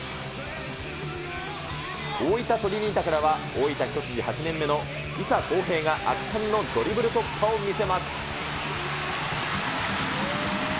大分トリニータからは大分一筋８年目の伊佐耕平が圧巻のドリブル突破を見せます。